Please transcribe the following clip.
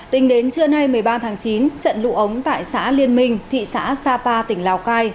tính đến trưa nay một mươi ba tháng chín trận lụ ống tại xã liên minh thị xã sapa tỉnh lào cai